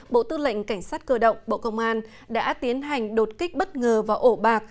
bộ tư lệnh cảnh sát cơ động bộ công an đã tiến hành đột kích bất ngờ vào ổ bạc